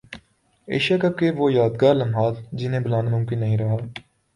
Asia cup کے وہ یادگار لمحات جنہیں بھلانا ممکن نہیں رہا